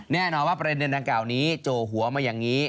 แน่นอนว่าประเด็นดังกล่าวนี้โจหัวมาอย่างนี้